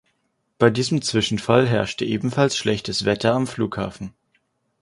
Bei diesem Zwischenfall herrschte ebenfalls schlechtes Wetter am Flughafen.